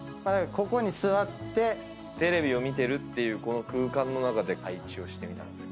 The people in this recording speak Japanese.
テレビを見てるっていうこの空間の中で配置をしてみたんです。